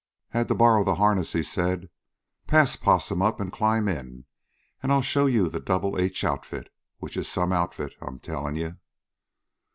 "Had to borrow the harness," he said. "Pass Possum up and climb in, an' I'll show you the Double H Outfit, which is some outfit, I'm tellin' you."